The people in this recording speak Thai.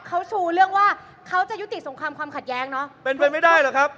เขาชูเรื่องว่าเขาจะยุติสงครามความขัดแย้งนะ